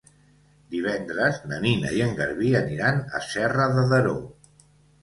Divendres na Nina i en Garbí aniran a Serra de Daró.